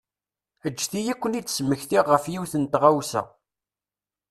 Eǧǧet-iyi ad ken-id-smektiɣ ɣef yiwet n tɣawsa.